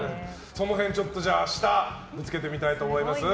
その辺ちょっと明日ぶつけてみたいと思います。